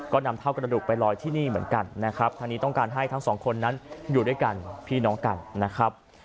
ก็นำเท่ากระดูกไปลอยที่นี่เหมือนกันนะครับทางนี้ต้องการให้ทั้งสองคนนั้นอยู่ด้วยกันพี่น้องกันนะครับ